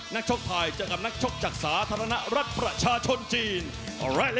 ชกไทยเจอกับนักชกจากสาธารณรัฐประชาชนจีน